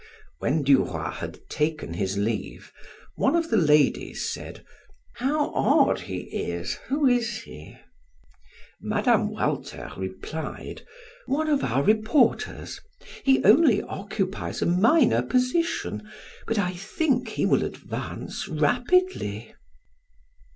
When Duroy had taken his leave, one of the ladies said: "How odd he is! Who is he?" Mme. Walter replied: "One of our reporters; he only occupies a minor position, but I think he will advance rapidly."